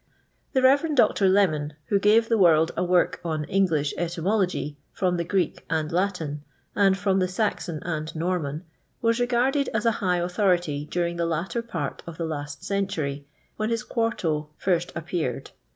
The Rev. Dr. Lemon, who gave the world a work on " English Etymology," from the Greek and Latin, and Arom the Saxon ana Norman, was regarded as a high authority during the latter part of the last century, when his quarto first appeared.